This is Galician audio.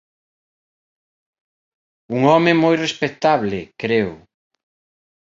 Un home moi respectable, creo.